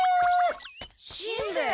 しんべヱ！